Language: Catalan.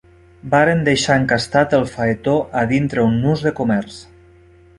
Varen deixar encastat el faetó a dintre un nus de comerç